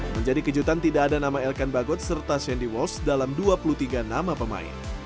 menjadi kejutan tidak ada nama elkan bagot serta shandy walsh dalam dua puluh tiga nama pemain